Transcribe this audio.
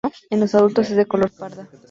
En los adultos es de color parda.